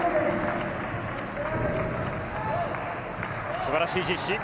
すばらしい実施。